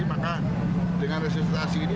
maka dengan resultasi ini